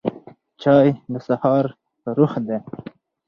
چای د سهار روح دی